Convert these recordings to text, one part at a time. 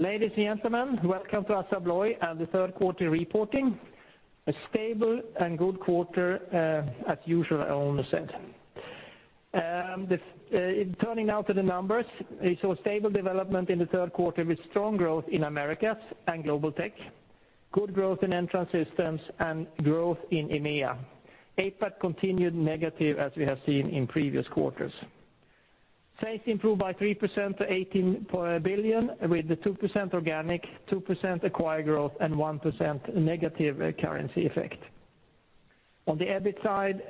Ladies and gentlemen, welcome to Assa Abloy and the third quarter reporting. A stable and good quarter, as usual, I almost said. Turning now to the numbers. We saw stable development in the third quarter with strong growth in Americas and Global Technologies, good growth in Entrance Systems and growth in EMEA. APAC continued negative as we have seen in previous quarters. Sales improved by 3% to 18 billion, with the 2% organic, 2% acquired growth, and 1% negative currency effect. On the EBIT side,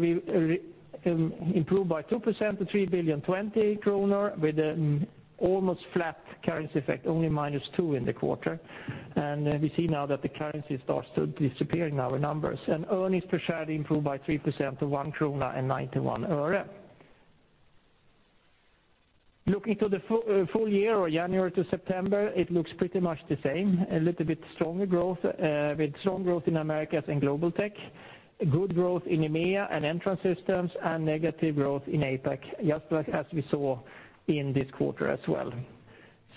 we improved by 2% to 3,000,000,020 kronor, with an almost flat currency effect, only -2% in the quarter. We see now that the currency starts to disappear in our numbers. Earnings per share improved by 3% to 1.91 krona. Looking to the full year or January to September, it looks pretty much the same. A little bit stronger growth, with strong growth in Americas and Global Technologies, good growth in EMEA and Entrance Systems, and negative growth in APAC, just as we saw in this quarter as well.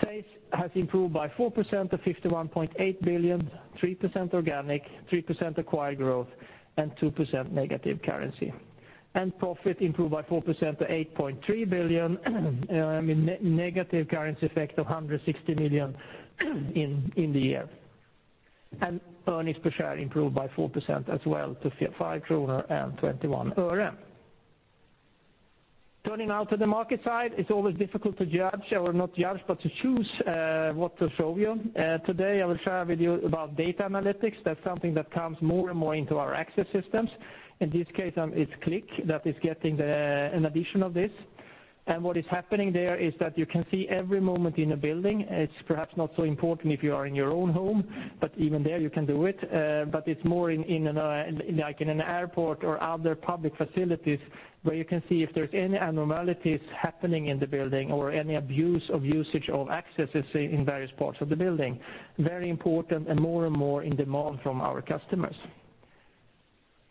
Sales has improved by 4% to 51.8 billion, 3% organic, 3% acquired growth, and 2% negative currency. Profit improved by 4% to 8.3 billion, negative currency effect of 160 million in the year. Earnings per share improved by 4% as well to SEK 5.21. Turning now to the market side, it's always difficult to judge, or not judge, but to choose what to show you. Today, I will share with you about data analytics. That's something that comes more and more into our access systems. In this case, it's CLIQ that is getting an addition of this. What is happening there is that you can see every moment in a building. It's perhaps not so important if you are in your own home, but even there you can do it. It's more in an airport or other public facilities where you can see if there's any abnormalities happening in the building or any abuse of usage of accesses in various parts of the building. Very important and more and more in demand from our customers.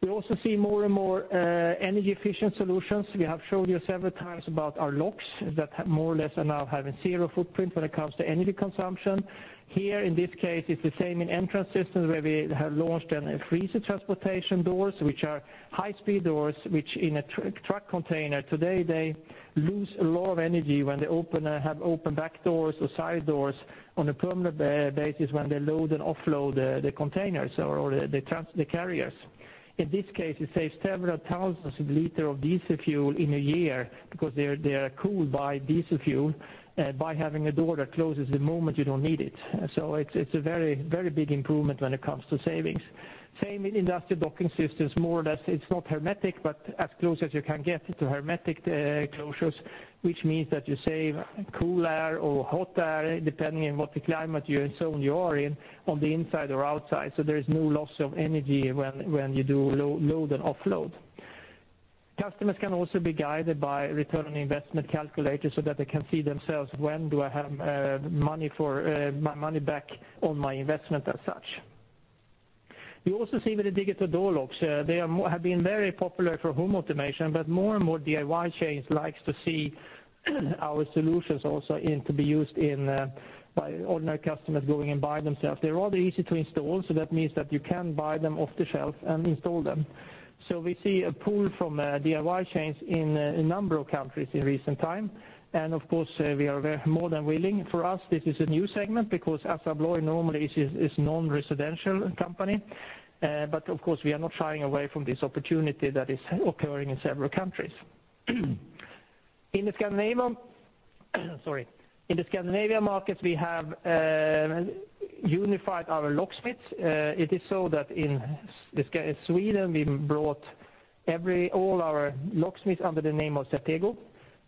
We also see more and more energy efficient solutions. We have showed you several times about our locks that more or less are now having zero footprint when it comes to energy consumption. Here in this case, it's the same in Entrance Systems where we have launched freezer transportation doors, which are high speed doors, which in a truck container today, they lose a lot of energy when they have open back doors or side doors on a permanent basis when they load and offload the containers or the carriers. In this case, it saves several thousands of liters of diesel fuel in a year because they are cooled by diesel fuel, by having a door that closes the moment you don't need it. It's a very big improvement when it comes to savings. Same in industrial docking systems, more or less. It's not hermetic, but as close as you can get to hermetic closures, which means that you save cool air or hot air, depending on what the climate zone you are in, on the inside or outside. There is no loss of energy when you do load and offload. Customers can also be guided by return on investment calculators so that they can see themselves, "When do I have my money back on my investment as such?" We also see with the digital door locks, they have been very popular for home automation, but more and more DIY chains likes to see our solutions also to be used by ordinary customers going and buying themselves. They're rather easy to install, so that means that you can buy them off the shelf and install them. We see a pull from DIY chains in a number of countries in recent time. Of course, we are more than willing. For us, this is a new segment because Assa Abloy normally is non-residential company. Of course, we are not shying away from this opportunity that is occurring in several countries. In the Scandinavia market, we have unified our locksmiths. It is so that in Sweden, we brought all our locksmiths under the name of CERTEGO.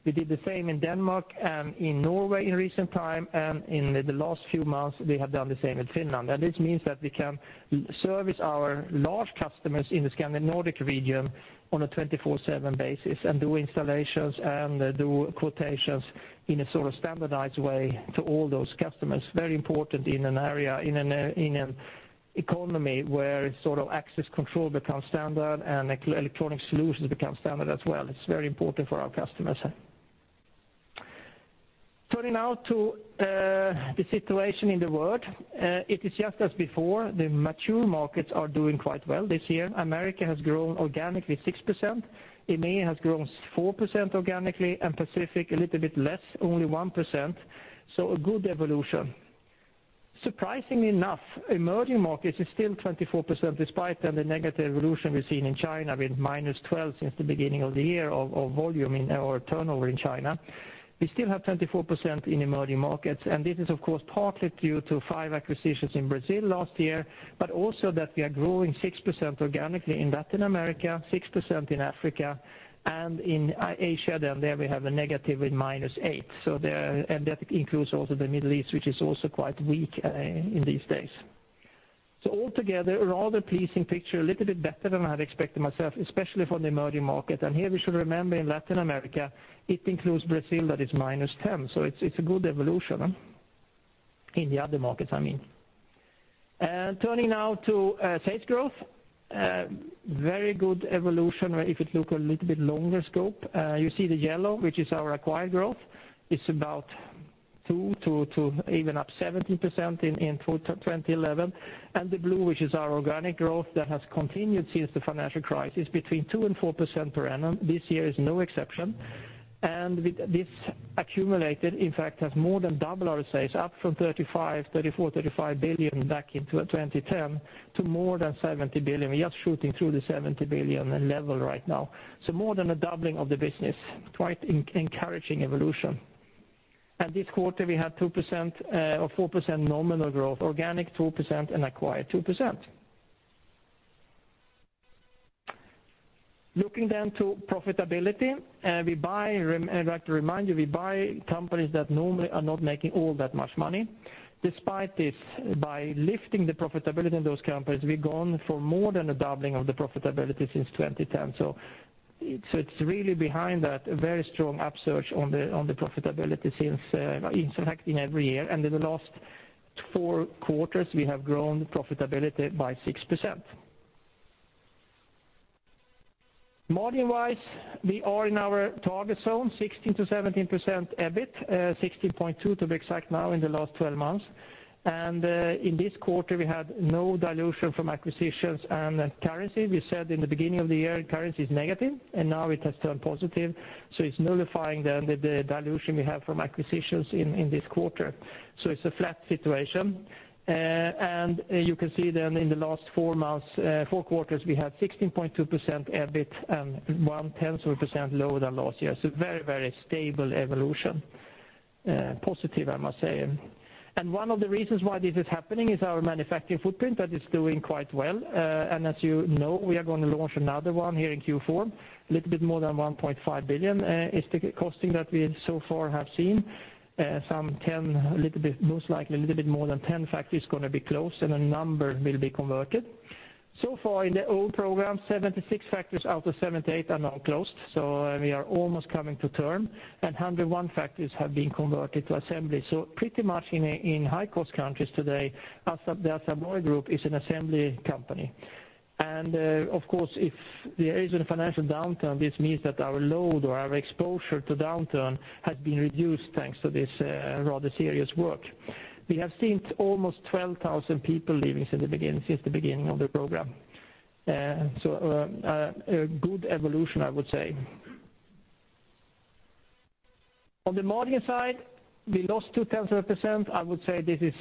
We did the same in Denmark and in Norway in recent time, and in the last few months, we have done the same in Finland. This means that we can service our large customers in the Scandinavian region on a 24/7 basis and do installations and do quotations in a sort of standardized way to all those customers. Very important in an economy where access control becomes standard and electronic solutions become standard as well. It's very important for our customers. Turning now to the situation in the world. It is just as before. The mature markets are doing quite well this year. Americas has grown organically 6%. EMEA has grown 4% organically, and Pacific a little bit less, only 1%. A good evolution. Surprisingly enough, emerging markets is still 24%, despite the negative evolution we've seen in China, with -12% since the beginning of the year of volume or turnover in China. We still have 24% in emerging markets, and this is of course partly due to 5 acquisitions in Brazil last year, but also that we are growing 6% organically in Latin America, 6% in Africa, and in Asia, there we have a negative with -8%. That includes also the Middle East, which is also quite weak in these days. Altogether, a rather pleasing picture, a little bit better than I had expected myself, especially for the emerging market. Here we should remember in Latin America, it includes Brazil, that is -10%. It's a good evolution in the other markets, I mean. Turning now to sales growth, very good evolution if it look a little bit longer scope. You see the yellow, which is our acquired growth. It's about 2% to even up 17% in full 2011. The blue, which is our organic growth that has continued since the financial crisis, between 2% and 4% per annum. This year is no exception, and this accumulated, in fact, has more than double our sales, up from 34 billion-35 billion back in 2010 to more than 70 billion. We are shooting through the 70 billion level right now. More than a doubling of the business. Quite encouraging evolution. This quarter, we had 2% or 4% nominal growth, organic 2% and acquired 2%. Looking to profitability, I'd like to remind you, we buy companies that normally are not making all that much money. Despite this, by lifting the profitability in those companies, we've gone for more than a doubling of the profitability since 2010. It's really behind that, a very strong upsurge on the profitability since impacting every year. In the last four quarters, we have grown profitability by 6%. Margin-wise, we are in our target zone, 16%-17% EBIT, 16.2% to be exact now in the last 12 months. In this quarter, we had no dilution from acquisitions and currency. We said in the beginning of the year, currency is negative, and now it has turned positive, it's nullifying the dilution we have from acquisitions in this quarter. It's a flat situation. You can see in the last four quarters, we had 16.2% EBIT and one tenth of a percent lower than last year. Very stable evolution. Positive, I must say. One of the reasons why this is happening is our manufacturing footprint, that is doing quite well. As you know, we are going to launch another one here in Q4, a little bit more than 1.5 billion is the costing that we so far have seen. Most likely a little bit more than 10 factories going to be closed and a number will be converted. So far in the old program, 76 factories out of 78 are now closed, we are almost coming to term, and 101 factories have been converted to assembly. Pretty much in high-cost countries today, the Assa Abloy Group is an assembly company. Of course, if there is a financial downturn, this means that our load or our exposure to downturn has been reduced thanks to this rather serious work. We have seen almost 12,000 people leaving since the beginning of the program. A good evolution, I would say. On the margin side, we lost two tenths of a percent. I would say this is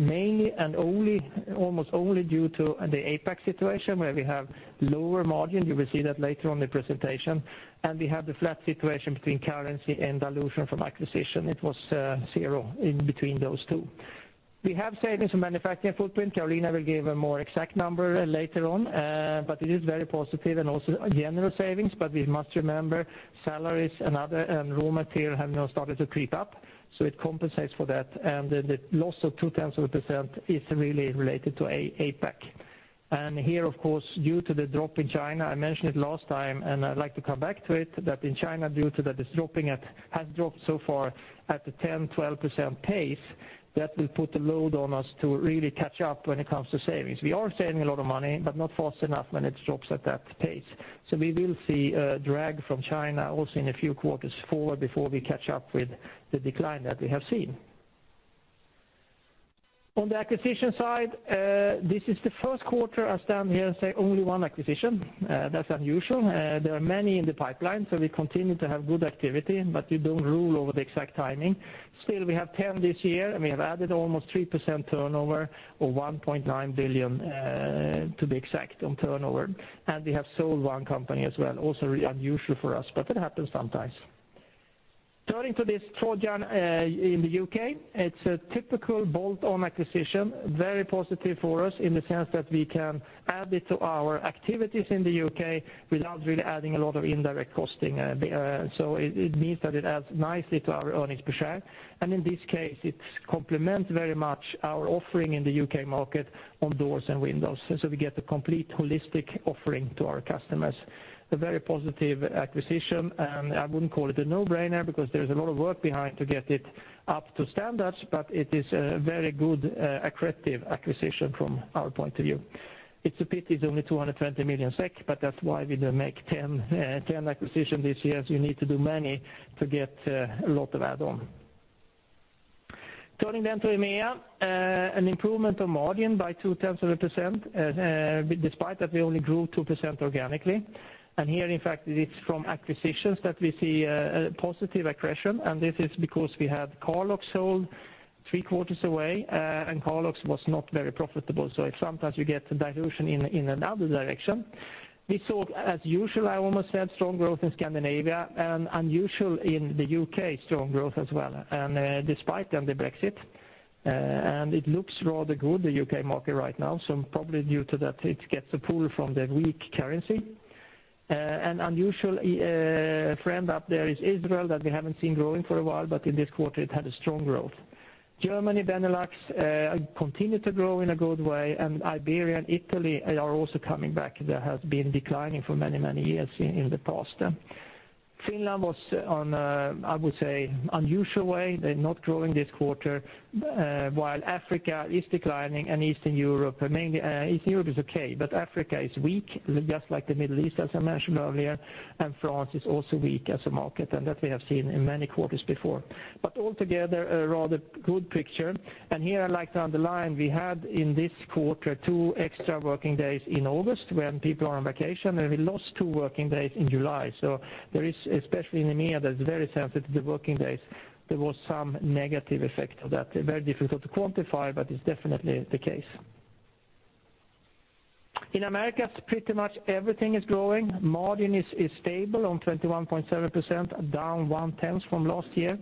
mainly and almost only due to the APAC situation where we have lower margin. You will see that later on the presentation. We have the flat situation between currency and dilution from acquisition. It was zero in between those two. We have savings in manufacturing footprint. Carolina will give a more exact number later on. It is very positive and also general savings, we must remember salaries and raw material have now started to creep up, it compensates for that. The loss of two tenths of a percent is really related to APAC. Here, of course, due to the drop in China, I mentioned it last time and I'd like to come back to it, that in China, due to that it has dropped so far at the 10, 12% pace, that will put a load on us to really catch up when it comes to savings. We are saving a lot of money, not fast enough when it drops at that pace. We will see a drag from China also in a few quarters forward before we catch up with the decline that we have seen. On the acquisition side, this is the first quarter I stand here and say only one acquisition. That's unusual. There are many in the pipeline. We continue to have good activity, but we don't rule over the exact timing. Still, we have 10 this year, and we have added almost 3% turnover or 1.9 billion, to be exact, on turnover. We have sold one company as well, also really unusual for us, but it happens sometimes. Turning to this Trojan in the U.K., it's a typical bolt-on acquisition. Very positive for us in the sense that we can add it to our activities in the U.K. without really adding a lot of indirect costing. It means that it adds nicely to our earnings per share. In this case, it complements very much our offering in the U.K. market on doors and windows. We get a complete holistic offering to our customers. A very positive acquisition. I wouldn't call it a no-brainer because there's a lot of work behind to get it up to standards, but it is a very good accretive acquisition from our point of view. It's a pity it's only 220 million SEK, but that's why we don't make 10 acquisition this year, as you need to do many to get a lot of add on. Turning then to EMEA, an improvement on margin by 0.2%, despite that we only grew 2% organically. Here, in fact, it is from acquisitions that we see a positive accretion. This is because we had Carlocks sold three quarters away, and Carlocks was not very profitable. Sometimes you get dilution in another direction. We saw, as usual, I almost said, strong growth in Scandinavia, and unusual in the U.K., strong growth as well. Despite then the Brexit, it looks rather good, the U.K. market right now, probably due to that it gets a pull from the weak currency. An unusual friend up there is Israel that we haven't seen growing for a while. In this quarter, it had a strong growth. Germany, Benelux continue to grow in a good way. Iberia and Italy are also coming back. They have been declining for many years in the past. Finland was on, I would say, unusual way. They're not growing this quarter, while Africa is declining and Eastern Europe. Eastern Europe is okay, but Africa is weak, just like the Middle East, as I mentioned earlier. France is also weak as a market, and that we have seen in many quarters before. Altogether, a rather good picture. Here I like to underline, we had in this quarter two extra working days in August when people are on vacation. We lost two working days in July. There is, especially in the EMEA, that is very sensitive to working days, there was some negative effect of that. Very difficult to quantify, but it's definitely the case. In Americas, pretty much everything is growing. Margin is stable on 21.7%, down one tenth from last year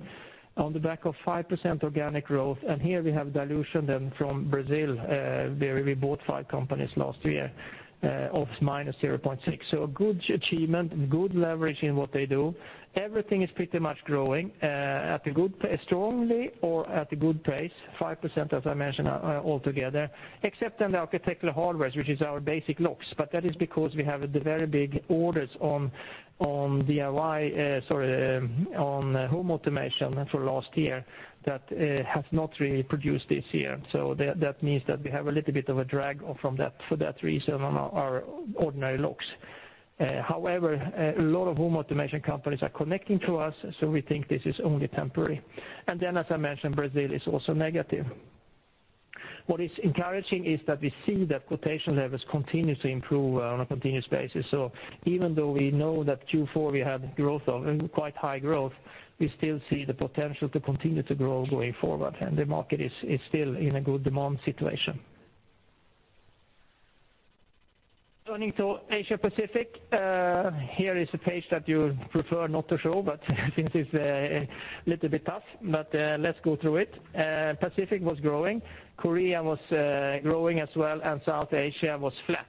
on the back of 5% organic growth. Here we have dilution then from Brazil, where we bought five companies last year, of minus 0.6%. A good achievement, good leverage in what they do. Everything is pretty much growing strongly or at a good pace, 5% as I mentioned altogether, except in the architectural hardwares, which is our basic locks. That is because we have the very big orders on home automation for last year that have not really produced this year. That means that we have a little bit of a drag for that reason on our ordinary locks. However, a lot of home automation companies are connecting to us, we think this is only temporary. As I mentioned, Brazil is also negative. What is encouraging is that we see that quotation levels continue to improve on a continuous basis. Even though we know that Q4 we had quite high growth, we still see the potential to continue to grow going forward, and the market is still in a good demand situation. Turning to Asia Pacific. Here is a page that you prefer not to show, since it's a little bit tough, let's go through it. Pacific was growing, Korea was growing as well, and South Asia was flat.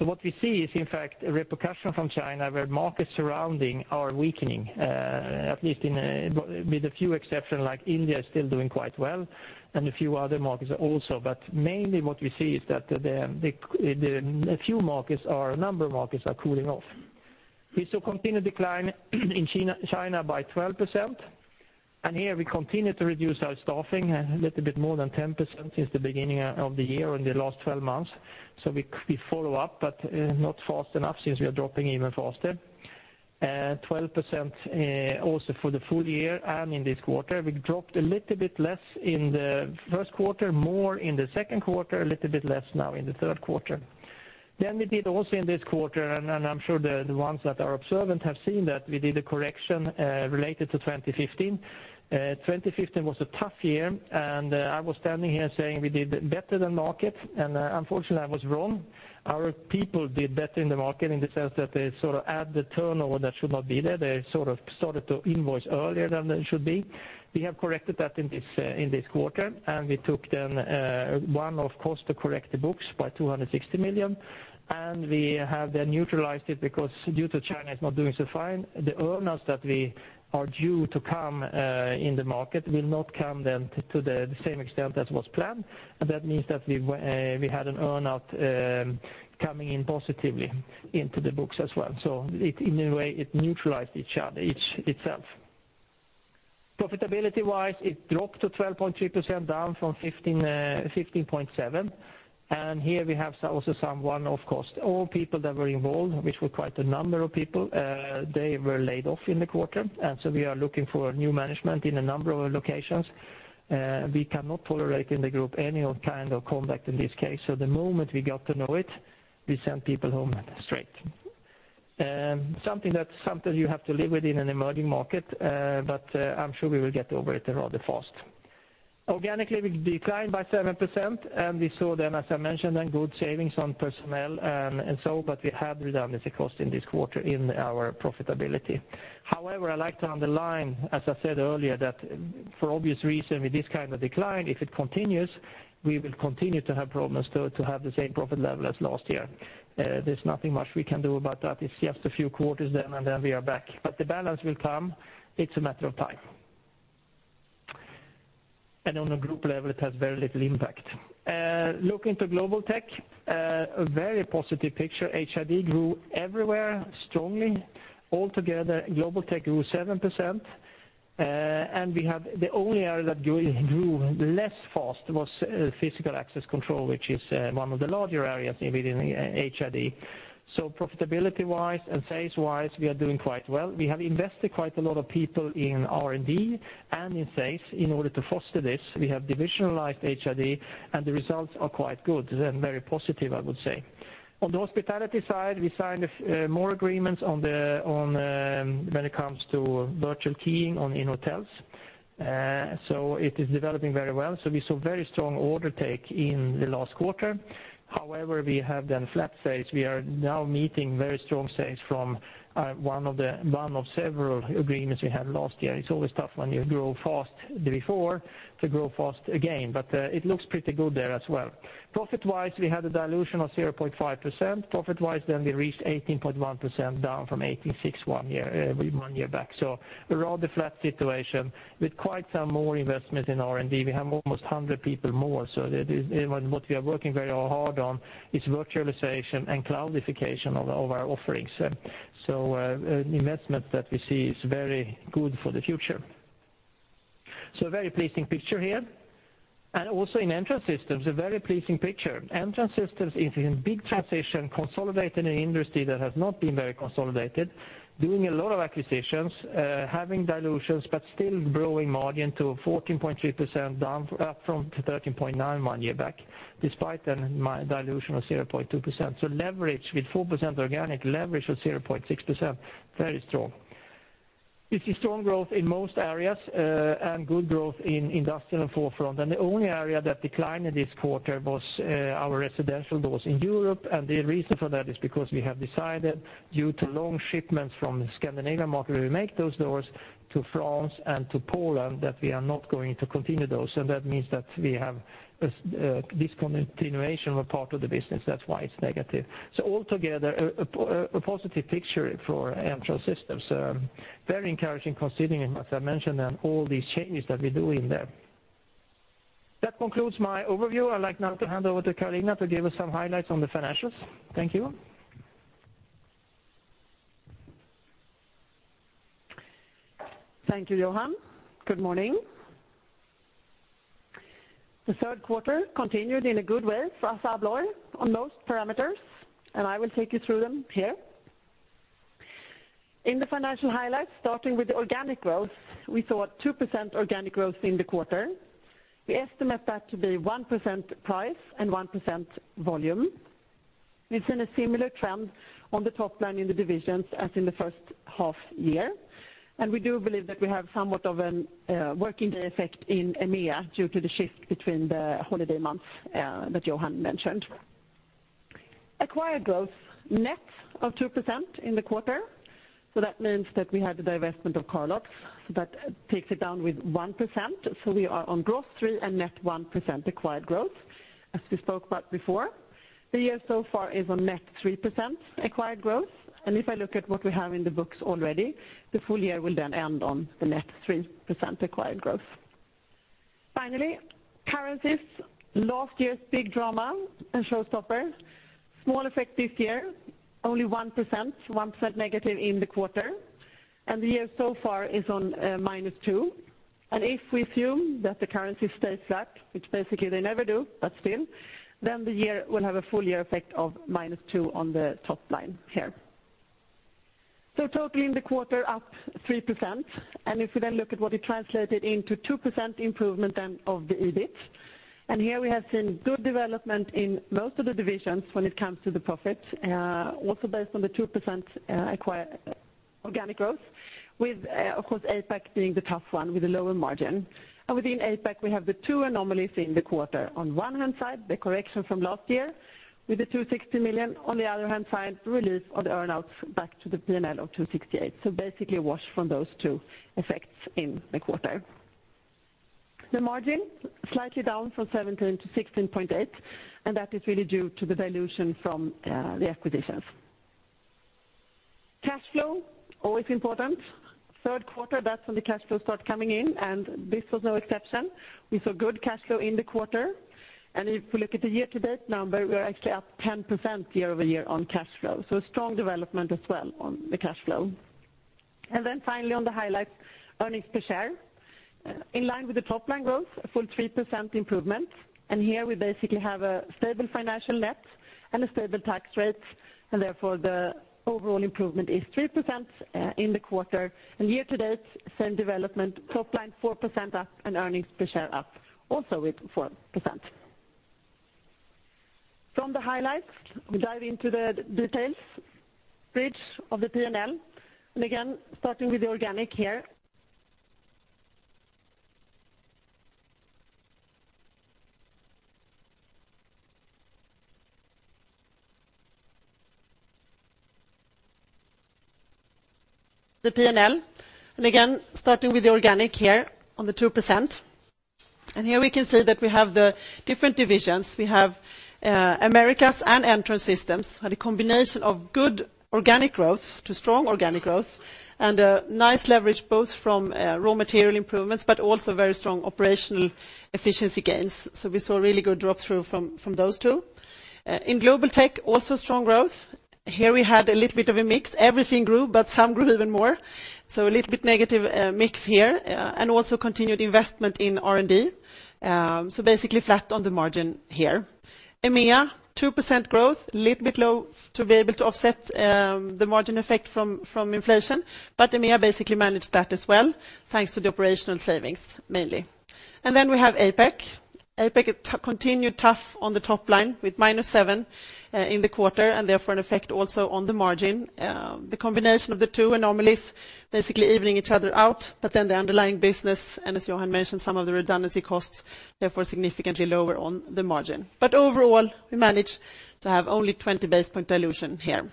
What we see is, in fact, a repercussion from China, where markets surrounding are weakening, at least with a few exceptions like India is still doing quite well, and a few other markets also. Mainly what we see is that a number of markets are cooling off. We saw continued decline in China by 12%. Here we continue to reduce our staffing a little bit more than 10% since the beginning of the year in the last 12 months. We follow up, but not fast enough since we are dropping even faster. 12% also for the full year and in this quarter. We dropped a little bit less in the first quarter, more in the second quarter, a little bit less now in the third quarter. We did also in this quarter, I'm sure the ones that are observant have seen that we did a correction related to 2015. 2015 was a tough year, I was standing here saying we did better than market, and unfortunately, I was wrong. Our people did better in the market in the sense that they sort of add the turnover that should not be there. They sort of started to invoice earlier than they should be. We have corrected that in this quarter, we took then one-off cost to correct the books by 260 million. We have then neutralized it because due to China is not doing so fine, the earn-outs that we are due to come in the market will not come then to the same extent as was planned. That means that we had an earn-out coming in positively into the books as well. In a way, it neutralized itself. Profitability-wise, it dropped to 12.3%, down from 15.7%. Here we have also some one-off cost. All people that were involved, which were quite a number of people, they were laid off in the quarter. We are looking for new management in a number of locations. We cannot tolerate in the group any kind of conduct in this case. The moment we got to know it, we send people home straight. Something that sometimes you have to live with in an emerging market, but I'm sure we will get over it rather fast. Organically, we declined by 7%, we saw then, as I mentioned, good savings on personnel, but we had redundancy costs in this quarter in our profitability. However, I like to underline, as I said earlier, that for obvious reason, with this kind of decline, if it continues, we will continue to have problems to have the same profit level as last year. There's nothing much we can do about that. It's just a few quarters then, and then we are back. The balance will come. It's a matter of time. On a group level, it has very little impact. Looking to Global Technologies, a very positive picture. HID grew everywhere strongly. Altogether, Global Technologies grew 7%, and we have the only area that grew less fast was physical access control, which is one of the larger areas within HID. Profitability-wise and sales-wise, we are doing quite well. We have invested quite a lot of people in R&D and in sales in order to foster this. We have divisionalized HID, and the results are quite good and very positive, I would say. On the hospitality side, we signed more agreements when it comes to virtual keying in hotels. It is developing very well. We saw very strong order take in the last quarter. However, we have then flat sales. We are now meeting very strong sales from one of several agreements we had last year. It's always tough when you grow fast before to grow fast again, but it looks pretty good there as well. Profit-wise, we had a dilution of 0.5%. Profit-wise, we reached 18.1%, down from 18.6% one year back. A rather flat situation with quite some more investment in R&D. We have almost 100 people more. What we are working very hard on is virtualization and cloudification of our offerings. Investment that we see is very good for the future. A very pleasing picture here. Also in Entrance Systems, a very pleasing picture. Entrance Systems is in a big transition, consolidating an industry that has not been very consolidated, doing a lot of acquisitions, having dilutions, but still growing margin to 14.3% up from 13.9% one year back, despite then dilution of 0.2%. Leverage with 4% organic leverage of 0.6%, very strong. We see strong growth in most areas, and good growth in Industrial and Forefront. The only area that declined in this quarter was our residential doors in Europe. The reason for that is because we have decided, due to long shipments from the Scandinavian market, we make those doors to France and to Poland, that we are not going to continue those, and that means that we have a discontinuation of a part of the business. That's why it's negative. Altogether, a positive picture for Entrance Systems. Very encouraging considering, as I mentioned, all these changes that we do in there. That concludes my overview. I'd like now to hand over to Carolina to give us some highlights on the financials. Thank you. Thank you, Johan. Good morning. The third quarter continued in a good way for Assa Abloy on most parameters, and I will take you through them here. In the financial highlights, starting with the organic growth, we saw 2% organic growth in the quarter. We estimate that to be 1% price and 1% volume. We've seen a similar trend on the top line in the divisions as in the first half year. We do believe that we have somewhat of a working day effect in EMEA due to the shift between the holiday months that Johan mentioned. Acquired growth net of 2% in the quarter. That means that we had the divestment of Carlocks that takes it down with 1%, so we are on gross 3 and net 1% acquired growth, as we spoke about before. The year so far is on net 3% acquired growth, and if I look at what we have in the books already, the full year will then end on the net 3% acquired growth. Finally, currencies. Last year's big drama and showstopper, small effect this year, only 1%, 1% negative in the quarter. The year so far is on minus 2. If we assume that the currency stays flat, which basically they never do, but still, then the year will have a full year effect of minus 2 on the top line here. Totaling the quarter up 3%, and if we then look at what it translated into 2% improvement then of the EBIT. Here we have seen good development in most of the divisions when it comes to the profit. Also based on the 2% organic growth with, of course, APAC being the tough one with a lower margin. Within APAC, we have the 2 anomalies in the quarter. On one hand side, the correction from last year with the 260 million, on the other hand side, release of the earnouts back to the P&L of 268 million. Basically a wash from those 2 effects in the quarter. The margin, slightly down from 17% to 16.8%, and that is really due to the dilution from the acquisitions. Cash flow, always important. Third quarter, that's when the cash flows start coming in, and this was no exception. We saw good cash flow in the quarter. If we look at the year-to-date number, we're actually up 10% year-over-year on cash flow. A strong development as well on the cash flow. Then finally on the highlights, earnings per share. In line with the top-line growth, a full 3% improvement. Here we basically have a stable financial net and a stable tax rate, therefore the overall improvement is 3% in the quarter. Year-to-date, same development, top line 4% up and earnings per share up also with 4%. From the highlights, we dive into the details, bridge of the P&L. Again, starting with the organic here. The P&L. Again, starting with the organic here on the 2%. Here we can see that we have the different divisions. We have Americas and Entrance Systems had a combination of good organic growth to strong organic growth and a nice leverage both from raw material improvements, but also very strong operational efficiency gains. We saw a really good drop through from those 2. In Global Technologies, also strong growth. Here we had a little bit of a mix. Everything grew, but some grew even more. A little bit negative mix here. Also continued investment in R&D. Basically flat on the margin here. EMEA, 2% growth, little bit low to be able to offset the margin effect from inflation, but EMEA basically managed that as well, thanks to the operational savings mainly. We have APAC. APAC continued tough on the top line with minus 7 in the quarter, and therefore an effect also on the margin. The combination of the two anomalies basically evening each other out, but the underlying business, and as Johan mentioned, some of the redundancy costs, therefore significantly lower on the margin. Overall, we managed to have only 20 basis point dilution here.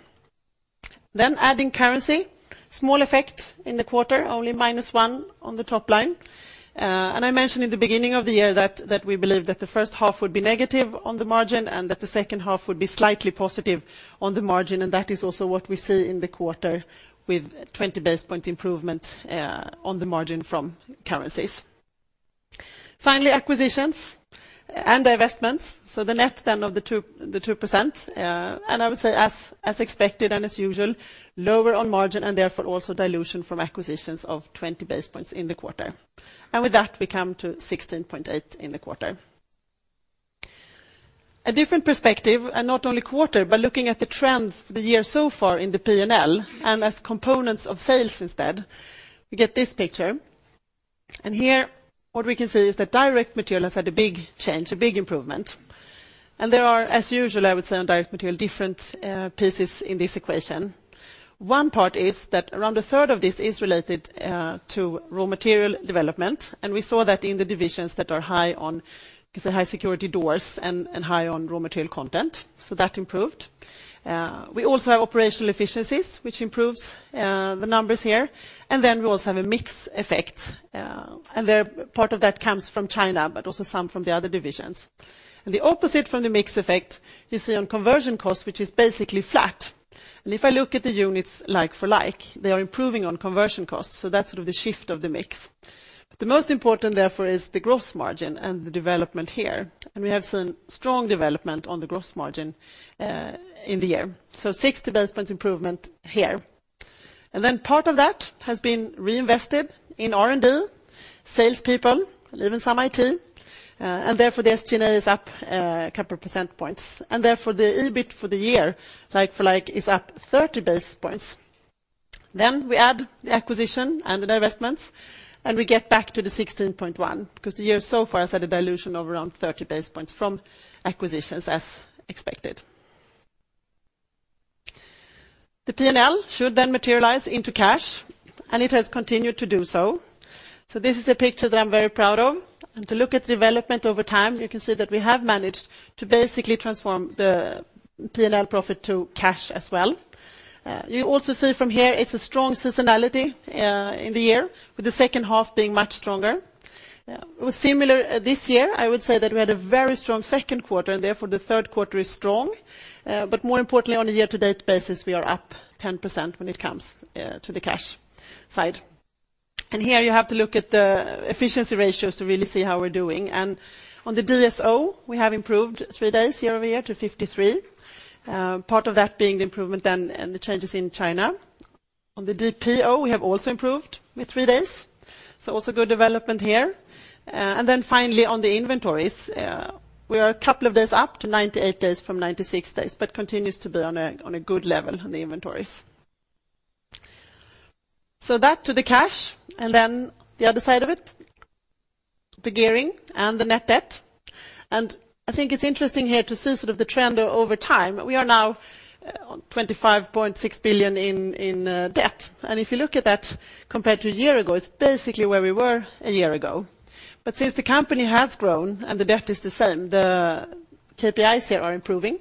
Adding currency, small effect in the quarter, only minus 1 on the top line. I mentioned in the beginning of the year that we believe that the first half would be negative on the margin and that the second half would be slightly positive on the margin, and that is also what we see in the quarter with 20 basis point improvement on the margin from currencies. Finally, acquisitions and divestments. The net then of the 2%, and I would say as expected and as usual, lower on margin and therefore also dilution from acquisitions of 20 basis points in the quarter. With that, we come to 16.8 in the quarter. A different perspective, not only quarter, but looking at the trends for the year so far in the P&L, and as components of sales instead, we get this picture. Here what we can see is that direct material has had a big change, a big improvement. There are, as usual, I would say on direct material, different pieces in this equation. One part is that around a third of this is related to raw material development, and we saw that in the divisions that are high on, because the high security doors and high on raw material content. That improved. We also have operational efficiencies, which improves the numbers here, and we also have a mix effect. Part of that comes from China, but also some from the other divisions. The opposite from the mix effect you see on conversion costs, which is basically flat. If I look at the units like for like, they are improving on conversion costs, that's sort of the shift of the mix. The most important, therefore, is the gross margin and the development here. We have seen strong development on the gross margin in the year. 60 basis point improvement here. Part of that has been reinvested in R&D, salespeople, even some IT, and therefore the SG&A is up a couple of percent points. Therefore, the EBIT for the year, like for like, is up 30 basis points. We add the acquisition and the divestments, and we get back to the 16.1, because the year so far has had a dilution of around 30 basis points from acquisitions as expected. The P&L should materialize into cash, and it has continued to do so. This is a picture that I'm very proud of. To look at development over time, you can see that we have managed to basically transform the P&L profit to cash as well. You also see from here it's a strong seasonality in the year, with the second half being much stronger. It was similar this year. I would say that we had a very strong second quarter, and therefore the third quarter is strong. More importantly, on a year-to-date basis, we are up 10% when it comes to the cash side. Here you have to look at the efficiency ratios to really see how we are doing. On the DSO, we have improved 3 days year over year to 53. Part of that being the improvement then, and the changes in China. On the DPO, we have also improved with 3 days, also good development here. Finally, on the inventories, we are a couple of days up to 98 days from 96 days, but continues to be on a good level on the inventories. That to the cash, the other side of it, the gearing and the net debt. I think it is interesting here to see sort of the trend over time. We are now on 25.6 billion in debt. If you look at that compared to a year ago, it is basically where we were a year ago. Since the company has grown and the debt is the same, the KPIs here are improving,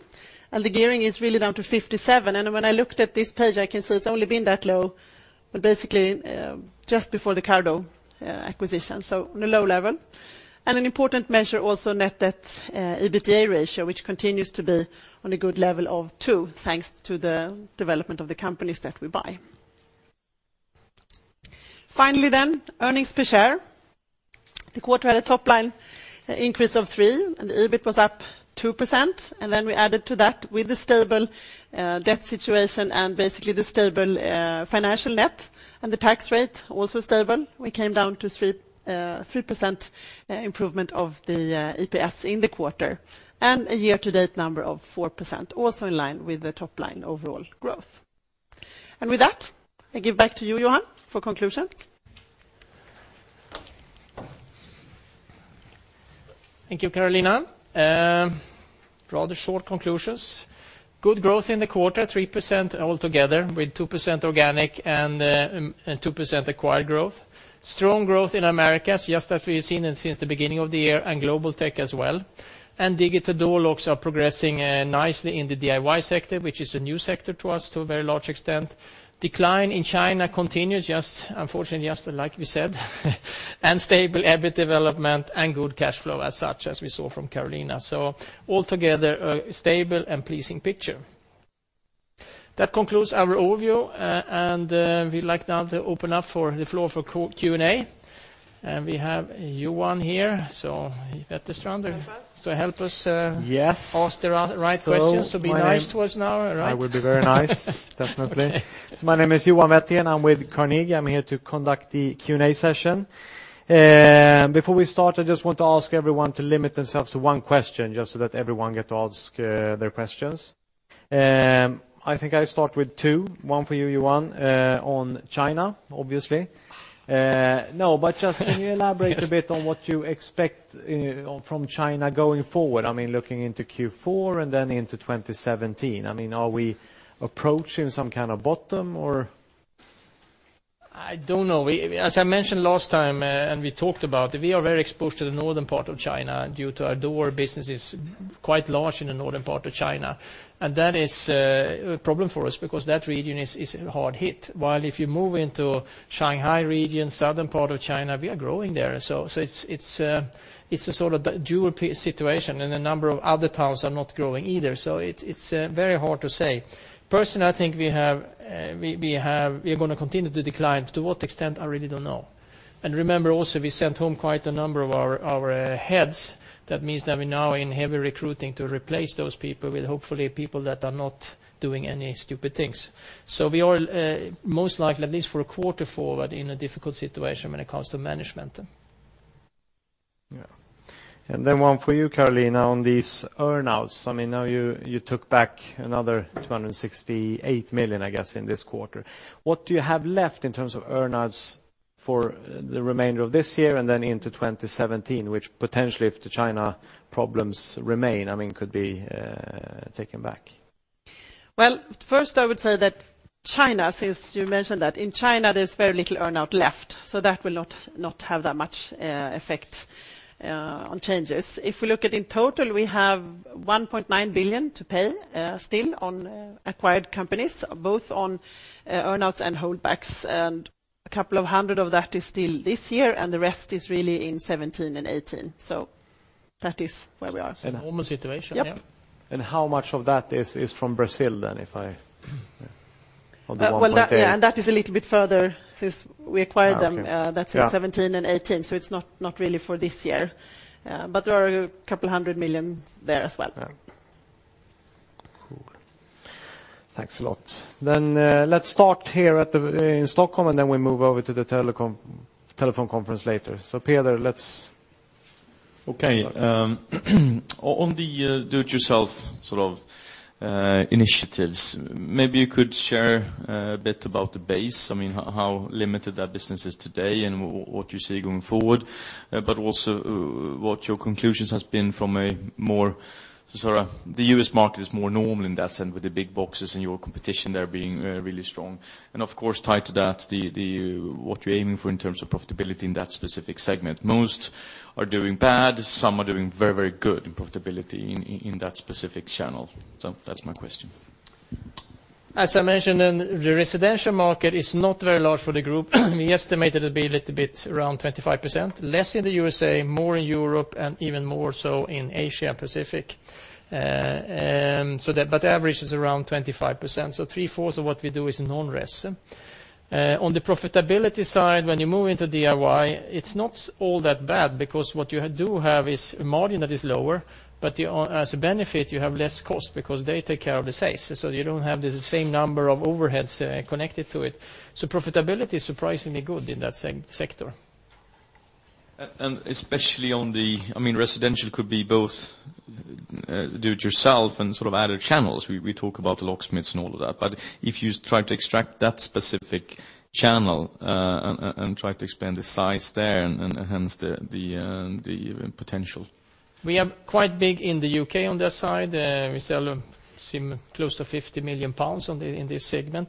and the gearing is really down to 57%. When I looked at this page, I can see it has only been that low, basically just before the Cardo acquisition, on a low level. An important measure also net debt EBITDA ratio, which continues to be on a good level of 2, thanks to the development of the companies that we buy. Finally, earnings per share. The quarter had a top line increase of 3%, and the EBIT was up 2%. We added to that with a stable debt situation and basically the stable financial net and the tax rate also stable. We came down to 3% improvement of the EPS in the quarter, and a year-to-date number of 4%, also in line with the top line overall growth. With that, I give back to you, Johan, for conclusions. Thank you, Carolina. Rather short conclusions. Good growth in the quarter, 3% altogether, with 2% organic and 2% acquired growth. Strong growth in Americas, just as we have seen since the beginning of the year, and Global Technologies as well. Digital Door Locks are progressing nicely in the DIY sector, which is a new sector to us to a very large extent. Decline in China continues, unfortunately, just like we said. Stable EBIT development and good cash flow as such, as we saw from Carolina. Altogether, a stable and pleasing picture. That concludes our overview, and we would like now to open up for the floor for Q&A. We have Johan here to help us- Yes ask the right questions. Be nice to us now, all right? I will be very nice, definitely. My name is Johan Wettergren. I'm with Carnegie. I'm here to conduct the Q&A session. Before we start, I just want to ask everyone to limit themselves to one question just so that everyone gets to ask their questions. I think I start with two, one for you, Johan, on China, obviously. No, just can you elaborate a bit on what you expect from China going forward? I mean, looking into Q4 and then into 2017. Are we approaching some kind of bottom, or? I don't know. As I mentioned last time, we talked about, we are very exposed to the northern part of China due to our door business is quite large in the northern part of China. That is a problem for us because that region is hard hit. While if you move into Shanghai region, southern part of China, we are growing there. It's a sort of dual situation, a number of other towns are not growing either. It's very hard to say. Personally, I think we're going to continue to decline. To what extent, I really don't know. Remember also, we sent home quite a number of our heads. That means that we're now in heavy recruiting to replace those people with hopefully people that are not doing any stupid things. We are most likely, at least for a quarter forward, in a difficult situation when it comes to management. Yeah. Then one for you, Carolina, on these earn-outs. Now you took back another 268 million, I guess, in this quarter. What do you have left in terms of earn-outs for the remainder of this year and then into 2017, which potentially, if the China problems remain, could be taken back? Well, first I would say that China, since you mentioned that. In China, there's very little earn-out left. That will not have that much effect on changes. If we look at in total, we have 1.9 billion to pay still on acquired companies, both on earn-outs and holdbacks. A couple of hundred of that is still this year. The rest is really in 2017 and 2018. That is where we are. Normal situation. Yep. How much of that is from Brazil then? Well, that is a little bit further. Okay. Yeah that's in 2017 and 2018, so it's not really for this year. There are a couple hundred million there as well. Yeah. Cool. Thanks a lot. Let's start here in Stockholm, and then we move over to the telephone conference later. Peder, let's Okay. On the do-it-yourself sort of initiatives, maybe you could share a bit about the base, how limited that business is today and what you see going forward. Also what your conclusions has been from a more, sort of, the U.S. market is more normal in that sense with the big boxes and your competition there being really strong. Of course, tied to that, what you're aiming for in terms of profitability in that specific segment. Most are doing bad, some are doing very good in profitability in that specific channel. That's my question. As I mentioned, the residential market is not very large for the group. We estimate it'll be a little bit around 25%. Less in the USA, more in Europe, and even more so in Asia Pacific. Average is around 25%, so three-fourths of what we do is non-res. On the profitability side, when you move into DIY, it's not all that bad because what you do have is a margin that is lower, but as a benefit, you have less cost because they take care of the sales, you don't have the same number of overheads connected to it. Profitability is surprisingly good in that sector. Especially on the, residential could be both do it yourself and sort of added channels. We talk about locksmiths and all of that. If you try to extract that specific channel, and try to expand the size there and hence the potential. We are quite big in the U.K. on that side. We sell close to 50 million pounds in this segment.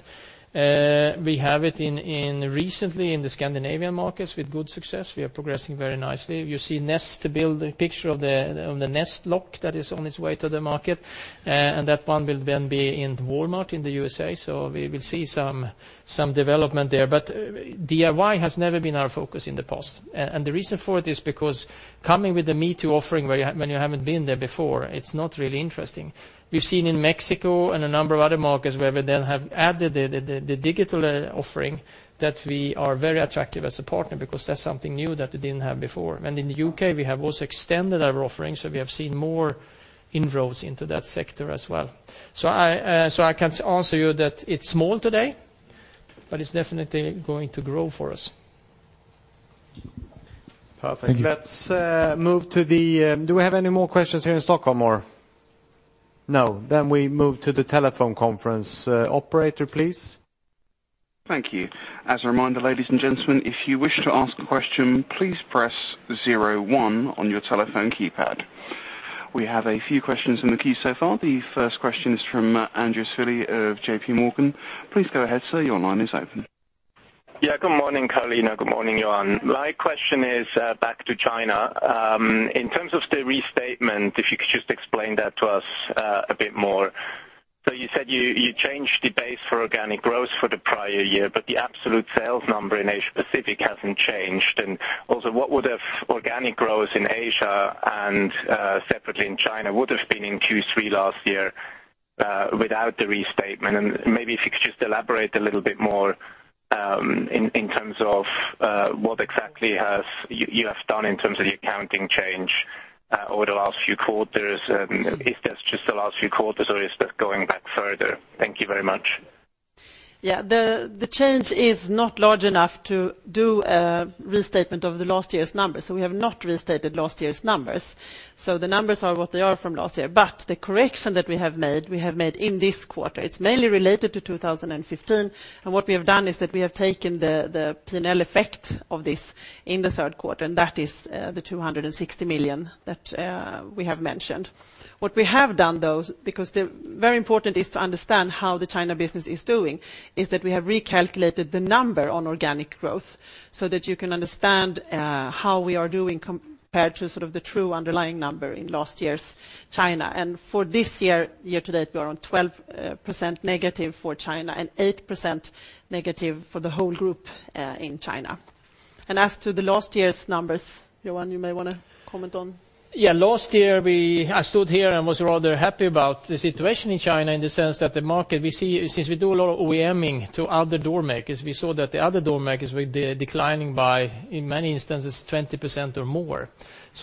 We have it recently in the Scandinavian markets with good success. We are progressing very nicely. You see Nest build a picture of the Nest lock that is on its way to the market. That one will then be in Walmart in the USA, we will see some development there. DIY has never been our focus in the past. The reason for it is because coming with a me-too offering when you haven't been there before, it's not really interesting. We've seen in Mexico and a number of other markets where we then have added the digital offering that we are very attractive as a partner because that's something new that they didn't have before. In the U.K., we have also extended our offering, we have seen more inroads into that sector as well. I can answer you that it's small today, it's definitely going to grow for us. Thank you. Perfect. Do we have any more questions here in Stockholm? No. We move to the telephone conference. Operator, please. Thank you. As a reminder, ladies and gentlemen, if you wish to ask a question, please press 01 on your telephone keypad. We have a few questions in the queue so far. The first question is from Andreas Filley of JPMorgan. Please go ahead, sir. Your line is open. Good morning, Carolina. Good morning, Johan. My question is back to China. In terms of the restatement, if you could just explain that to us a bit more. You said you changed the base for organic growth for the prior year, but the absolute sales number in Asia Pacific hasn't changed. Also what would organic growth in Asia and separately in China would've been in Q3 last year, without the restatement? Maybe if you could just elaborate a little bit more, in terms of what exactly you have done in terms of the accounting change, over the last few quarters, and if that's just the last few quarters or is that going back further? Thank you very much. Yeah. The change is not large enough to do a restatement of the last year's numbers, so we have not restated last year's numbers. The numbers are what they are from last year. The correction that we have made, we have made in this quarter. It is mainly related to 2015. What we have done is that we have taken the P&L effect of this in the third quarter, and that is the 260 million that we have mentioned. What we have done, though, because very important is to understand how the China business is doing, is that we have recalculated the number on organic growth so that you can understand how we are doing compared to sort of the true underlying number in last year's China. For this year-to-date, we are on 12% negative for China and 8% negative for the whole group, in China. As to the last year's numbers, Johan, you may want to comment on. Yeah. Last year, I stood here and was rather happy about the situation in China, in the sense that the market, we see, since we do a lot of OEM-ing to other door makers, we saw that the other door makers were declining by, in many instances, 20% or more.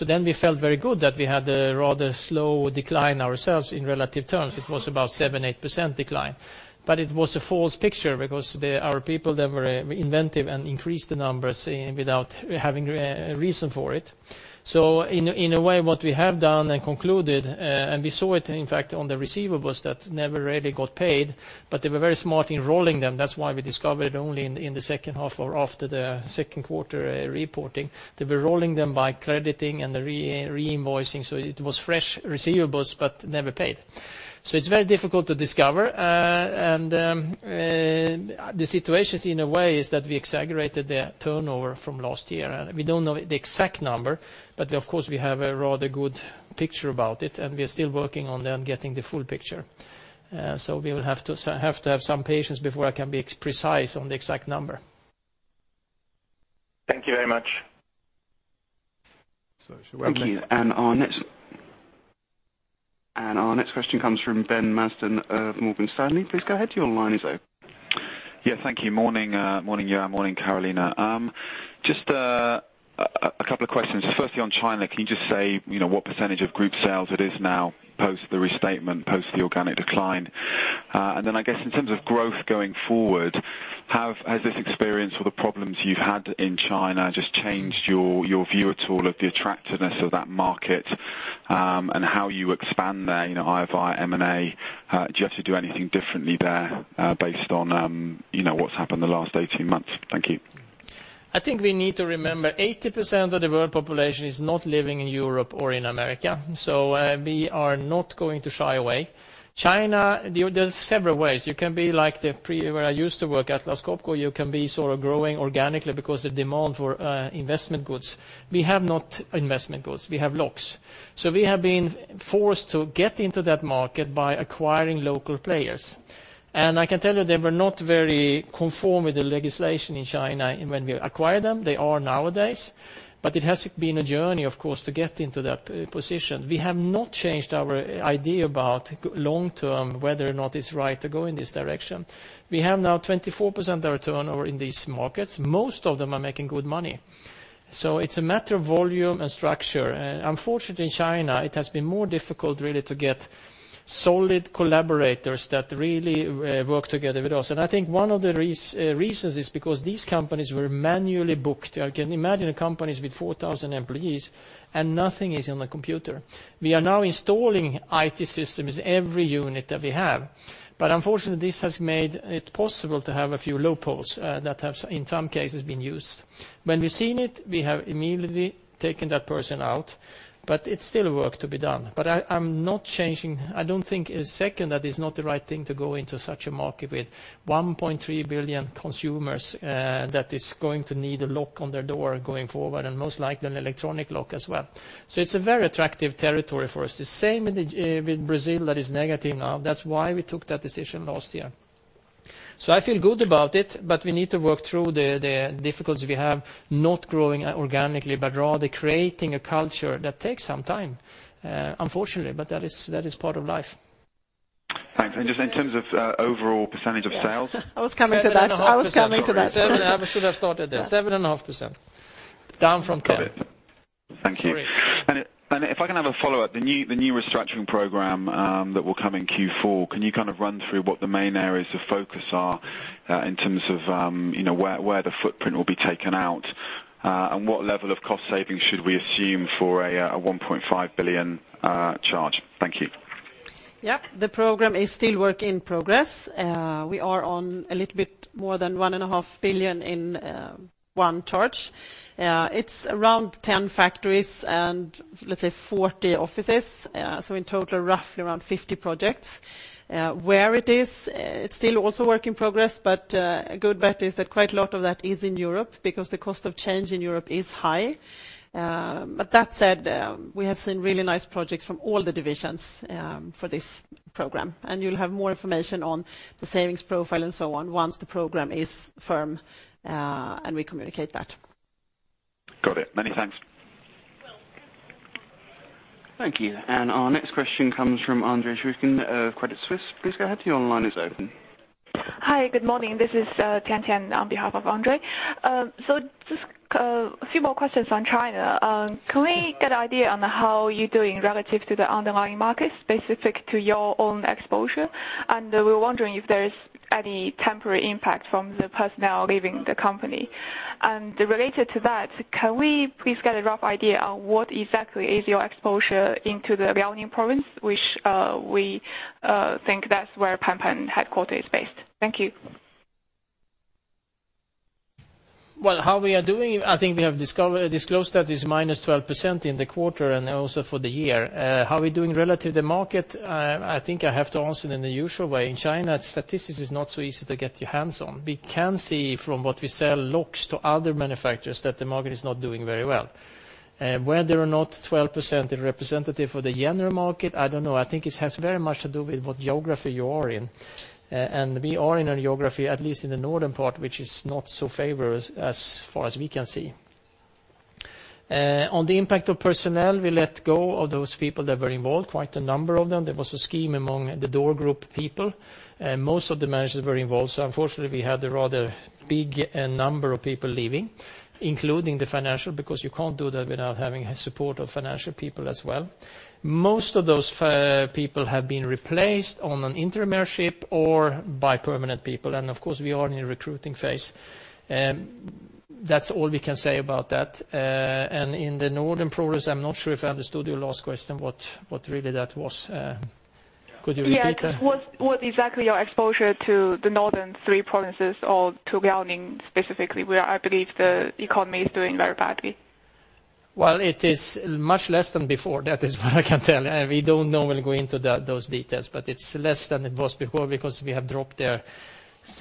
We felt very good that we had a rather slow decline ourselves in relative terms. It was about 7%, 8% decline. It was a false picture because our people there were inventive and increased the numbers without having a reason for it. In a way, what we have done and concluded, and we saw it in fact on the receivables that never really got paid, but they were very smart in rolling them. That is why we discovered only in the second half or after the second quarter reporting, they were rolling them by crediting and re-invoicing. It is fresh receivables, but never paid. It is very difficult to discover. The situation, in a way, is that we exaggerated the turnover from last year, and we do not know the exact number, but of course, we have a rather good picture about it, and we are still working on getting the full picture. We will have to have some patience before I can be precise on the exact number. Thank you very much. Shall we. Thank you. Our next question comes from Ben Marsden of Morgan Stanley. Please go ahead. Your line is open. Yeah. Thank you. Morning, Johan. Morning, Carolina. Just a couple of questions. Firstly, on China, can you just say what % of group sales it is now post the restatement, post the organic decline? Then, I guess in terms of growth going forward, has this experience or the problems you have had in China just changed your view at all of the attractiveness of that market, and how you expand there via M&A? Do you have to do anything differently there based on what has happened in the last 18 months? Thank you. I think we need to remember 80% of the world population is not living in Europe or in the Americas. We are not going to shy away. China, there are several ways. You can be like where I used to work, Atlas Copco. You can be sort of growing organically because of demand for investment goods. We have not investment goods. We have locks. We have been forced to get into that market by acquiring local players. I can tell you they were not very conform with the legislation in China when we acquired them. They are nowadays, but it has been a journey, of course, to get into that position. We have not changed our idea about long-term, whether or not it's right to go in this direction. We have now 24% of our turnover in these markets. Most of them are making good money. It's a matter of volume and structure. Unfortunately, in China, it has been more difficult really to get solid collaborators that really work together with us. I think one of the reasons is because these companies were manually booked. Imagine a company with 4,000 employees, and nothing is on the computer. We are now installing IT systems, every unit that we have. Unfortunately, this has made it possible to have a few loopholes that have, in some cases, been used. When we've seen it, we have immediately taken that person out, but it's still work to be done. I'm not changing. I don't think a second that is not the right thing to go into such a market with 1.3 billion consumers that is going to need a lock on their door going forward, and most likely a digital door lock as well. It's a very attractive territory for us. The same with Brazil, that is negative now. That's why we took that decision last year. I feel good about it, but we need to work through the difficulty we have, not growing organically, but rather creating a culture that takes some time, unfortunately, but that is part of life. Thanks. Just in terms of overall percentage of sales? I was coming to that. Seven and a half %. I was coming to that. I should have started there. Seven and a half %, down from 10. Got it. Thank you. Sorry. If I can have a follow-up. The new restructuring program that will come in Q4, can you kind of run through what the main areas of focus are in terms of where the footprint will be taken out? What level of cost savings should we assume for a 1.5 billion charge? Thank you. Yep. The program is still work in progress. We are on a little bit more than 1.5 billion in one charge. It's around 10 factories and let's say 40 offices. In total, roughly around 50 projects. Where it is? It's still also work in progress, but a good bet is that quite a lot of that is in Europe, because the cost of change in Europe is high. That said, we have seen really nice projects from all the divisions for this program, and you'll have more information on the savings profile and so on once the program is firm, and we communicate that. Got it. Many thanks. Thank you. Our next question comes from Andre Schwikant of Credit Suisse. Please go ahead. Your line is open. Hi, good morning. This is Tiantian on behalf of Andre. Just a few more questions on China. Can we get an idea on how you're doing relative to the underlying markets specific to your own exposure? We're wondering if there is any temporary impact from the personnel leaving the company. Related to that, can we please get a rough idea on what exactly is your exposure into the Liaoning province, which we think that's where Pan Pan headquarters is based. Thank you. Well, how we are doing, I think we have disclosed that it's -12% in the quarter and also for the year. How we're doing relative to market, I think I have to answer in the usual way. In China, statistics is not so easy to get your hands on. We can see from what we sell locks to other manufacturers, that the market is not doing very well. Whether or not 12% is representative of the general market, I don't know. I think it has very much to do with what geography you are in. We are in a geography, at least in the northern part, which is not so favorable as far as we can see. On the impact of personnel, we let go of those people that were involved, quite a number of them. There was a scheme among the door group people. Most of the managers were involved. Unfortunately, we had a rather big number of people leaving, including the financial, because you can't do that without having support of financial people as well. Most of those people have been replaced on an interimership or by permanent people, of course, we are in a recruiting phase. That's all we can say about that. In the northern provinces, I'm not sure if I understood your last question, what really that was. Could you repeat that? Yes. What exactly your exposure to the northern three provinces or to Liaoning specifically, where I believe the economy is doing very badly? Well, it is much less than before. That is what I can tell you. We don't normally go into those details, but it's less than it was before because we have dropped there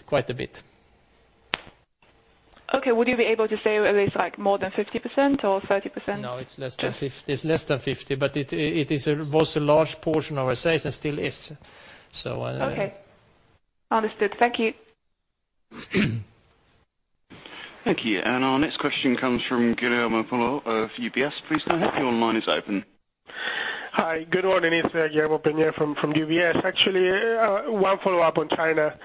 quite a bit. Okay. Would you be able to say at least, more than 50% or 30%? No, it's less than 50, but it was a large portion of our sales and still is. Okay. Understood. Thank you. Thank you. Our next question comes from Guillermo Polo of UBS. Please go ahead, your line is open. Hi, good morning. It's Guillermo Polo from UBS. Actually, one follow-up on China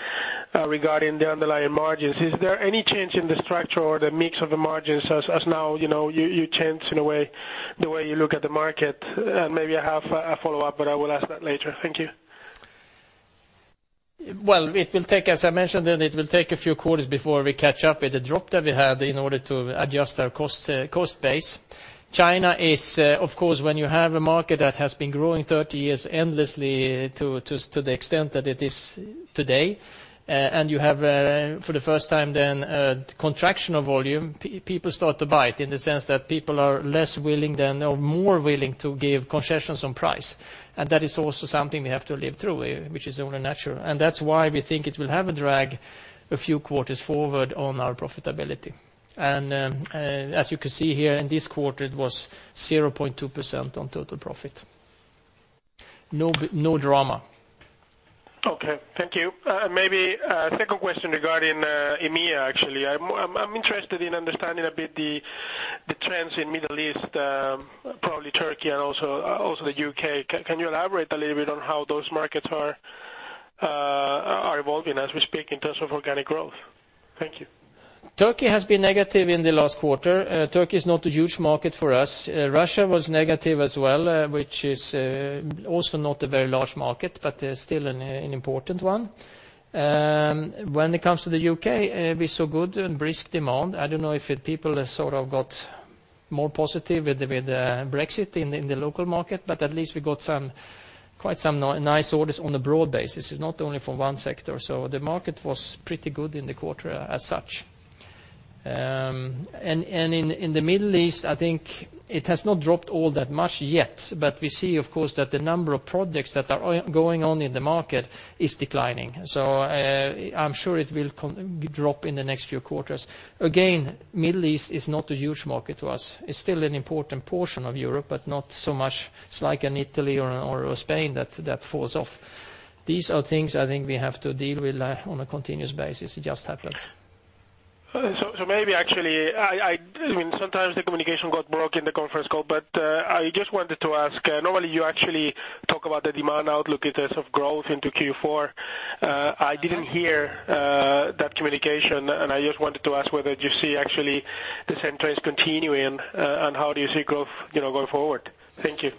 regarding the underlying margins. Is there any change in the structure or the mix of the margins as now, you change the way you look at the market? Maybe I have a follow-up, but I will ask that later. Thank you. Well, as I mentioned, it will take a few quarters before we catch up with the drop that we had in order to adjust our cost base. China is, of course, when you have a market that has been growing 30 years endlessly to the extent that it is today, and you have, for the first time, then a contraction of volume, people start to bite in the sense that people are less willing than, or more willing to give concessions on price. That is also something we have to live through, which is only natural. That's why we think it will have a drag a few quarters forward on our profitability. As you can see here in this quarter, it was 0.2% on total profit. No drama. Okay. Thank you. Maybe a second question regarding EMEA, actually. I'm interested in understanding a bit the trends in Middle East, probably Turkey and also the U.K. Can you elaborate a little bit on how those markets are evolving as we speak in terms of organic growth? Thank you. Turkey has been negative in the last quarter. Turkey's not a huge market for us. Russia was negative as well, which is also not a very large market, but still an important one. When it comes to the U.K., we saw good and brisk demand. I don't know if people have sort of got more positive with Brexit in the local market, but at least we got quite some nice orders on a broad basis. It's not only from one sector. The market was pretty good in the quarter as such. In the Middle East, I think it has not dropped all that much yet. We see, of course, that the number of projects that are going on in the market is declining. I'm sure it will drop in the next few quarters. Again, Middle East is not a huge market to us. It's still an important portion of Europe, but not so much. It's like in Italy or Spain that that falls off. These are things I think we have to deal with on a continuous basis. It just happens. Maybe actually, sometimes the communication got broke in the conference call, I just wanted to ask, normally you actually talk about the demand outlook in terms of growth into Q4. I didn't hear that communication, I just wanted to ask whether you see actually the same trends continuing, how do you see growth going forward? Thank you.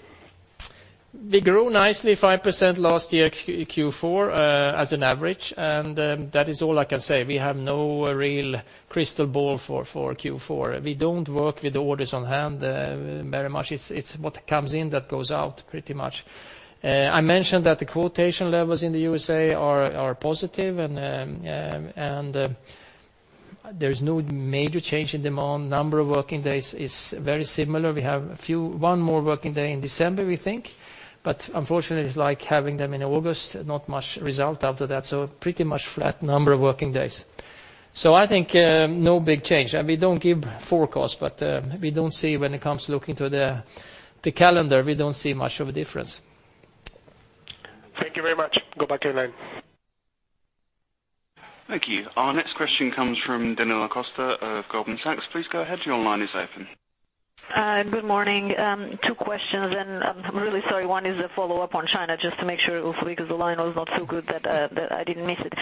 We grew nicely 5% last year, Q4, as an average. That is all I can say. We have no real crystal ball for Q4. We don't work with orders on hand very much. It's what comes in, that goes out pretty much. I mentioned that the quotation levels in the U.S.A. are positive and there's no major change in demand. Number of working days is very similar. We have one more working day in December, we think. Unfortunately, it's like having them in August, not much result after that. Pretty much flat number of working days. I think no big change. We don't give forecasts, but we don't see when it comes to looking to the calendar, we don't see much of a difference. Thank you very much. Go back your line. Thank you. Our next question comes from Daniela Costa of Goldman Sachs. Please go ahead. Your line is open. Good morning. Two questions. I'm really sorry, one is a follow-up on China just to make sure also because the line was not so good that I didn't miss it.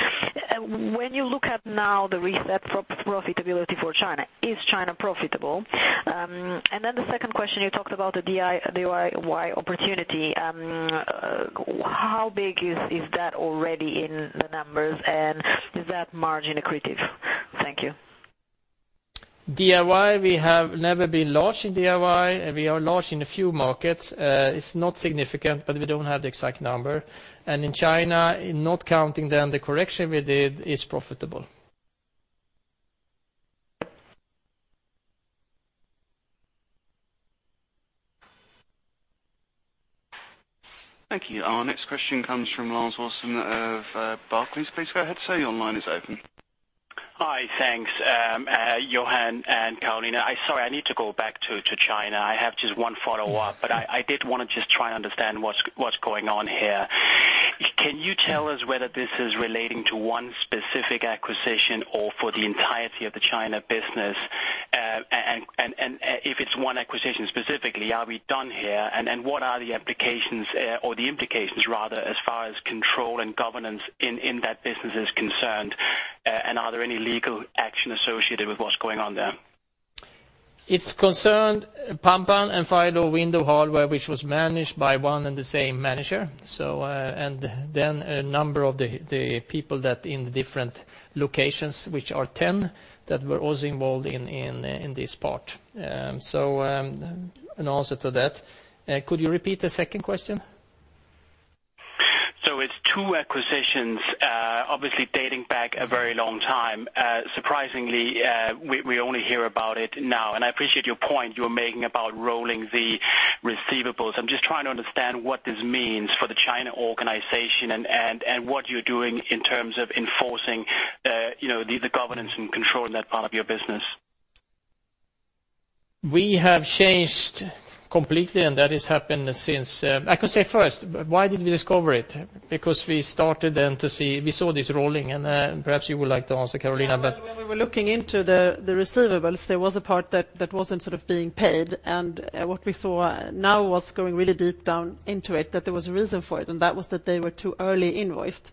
When you look at now the reset profitability for China, is China profitable? The second question, you talked about the DIY opportunity. How big is that already in the numbers, and is that margin accretive? Thank you. DIY, we have never been large in DIY. We are large in a few markets. It's not significant, but we don't have the exact number. In China, not counting then the correction we did, it's profitable. Thank you. Our next question comes from Lars Olsen of Barclays. Please go ahead, sir. Your line is open. Hi, thanks, Johan and Carolina. Sorry, I need to go back to China. I have just one follow-up, but I did want to just try and understand what's going on here. Can you tell us whether this is relating to one specific acquisition or for the entirety of the China business? If it's one acquisition specifically, are we done here? What are the applications or the implications, rather, as far as control and governance in that business is concerned? Are there any legal action associated with what's going on there? It's concerned PanPan and fyra Window Hardware, which was managed by one and the same manager. A number of the people that in the different locations, which are 10, that were also involved in this part. In answer to that, could you repeat the second question? It's two acquisitions, obviously dating back a very long time. Surprisingly, we only hear about it now, and I appreciate your point you're making about rolling the receivables. I'm just trying to understand what this means for the China organization and what you're doing in terms of enforcing the governance and control in that part of your business. We have changed completely, and that has happened since I could say first, why did we discover it? We started and we saw this rolling, and perhaps you would like to answer, Carolina. When we were looking into the receivables, there was a part that wasn't being paid, and what we saw now was going really deep down into it, that there was a reason for it, and that was that they were too early invoiced.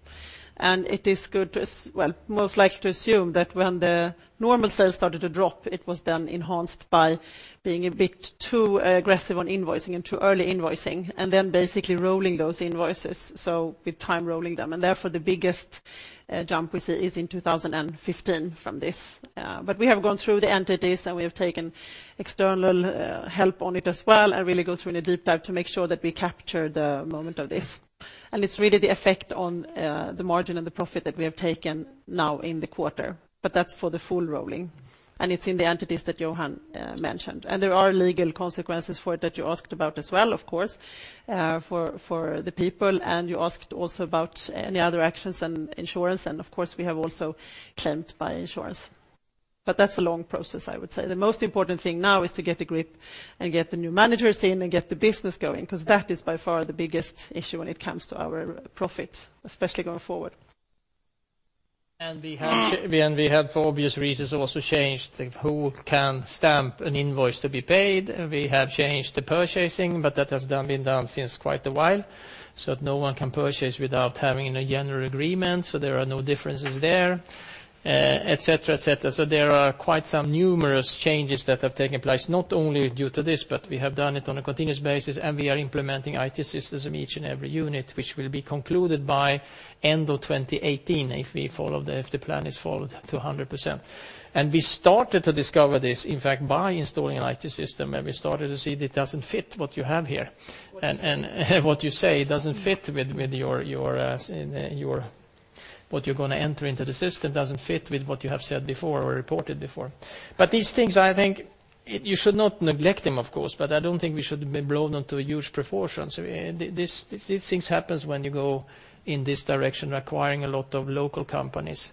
It is most likely to assume that when the normal sales started to drop, it was then enhanced by being a bit too aggressive on invoicing and too early invoicing and then basically rolling those invoices, so with time rolling them. Therefore, the biggest jump we see is in 2015 from this. We have gone through the entities, and we have taken external help on it as well and really go through in a deep dive to make sure that we capture the moment of this. It's really the effect on the margin and the profit that we have taken now in the quarter, but that's for the full rolling, and it's in the entities that Johan mentioned. There are legal consequences for it that you asked about as well, of course, for the people, and you asked also about any other actions and insurance, and of course, we have also claimed by insurance. That's a long process, I would say. The most important thing now is to get a grip and get the new managers in and get the business going, because that is by far the biggest issue when it comes to our profit, especially going forward. We have, for obvious reasons, also changed who can stamp an invoice to be paid. We have changed the purchasing, but that has been done since quite a while, so that no one can purchase without having a general agreement, so there are no differences there, et cetera. There are quite some numerous changes that have taken place, not only due to this, but we have done it on a continuous basis, and we are implementing IT systems in each and every unit, which will be concluded by end of 2018 if the plan is followed to 100%. We started to discover this, in fact, by installing an IT system, and we started to see that it doesn't fit what you have here. What you say doesn't fit with what you're going to enter into the system, doesn't fit with what you have said before or reported before. These things, I think you should not neglect them, of course, but I don't think we should blow them to huge proportions. These things happen when you go in this direction, acquiring a lot of local companies.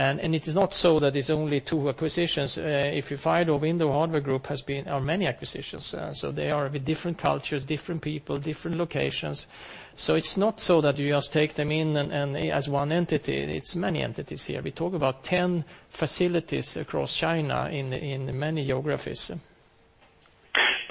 It is not so that it's only two acquisitions. If you find our Window Hardware group has been our many acquisitions, so they are with different cultures, different people, different locations. It's not so that you just take them in and as one entity. It's many entities here. We talk about 10 facilities across China in many geographies.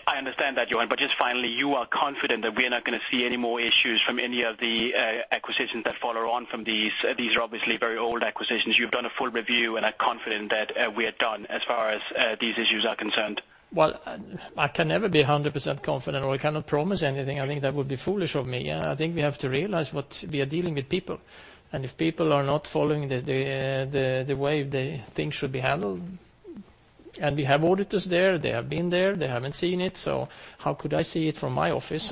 I understand that, Johan. Just finally, you are confident that we are not going to see any more issues from any of the acquisitions that follow on from these? These are obviously very old acquisitions. You've done a full review and are confident that we are done as far as these issues are concerned. I can never be 100% confident, or I cannot promise anything. I think that would be foolish of me. I think we have to realize what we are dealing with people, and if people are not following the way things should be handled, and we have auditors there, they have been there, they haven't seen it, so how could I see it from my office?